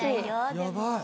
やばい。